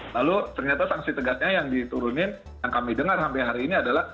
lalu ternyata sanksi tegasnya yang diturunin yang kami dengar sampai hari ini adalah